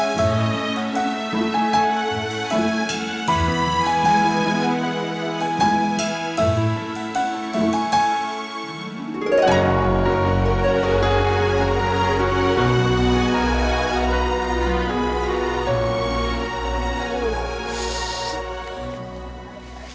gak mau mpok